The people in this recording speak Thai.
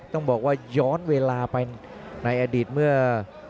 ต้องบอกว่าย้อนเวลาไปในอดีตเมื่อ